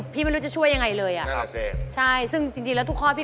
พี่ไม่รู้จะช่วยทุกข้อทุกอย่าง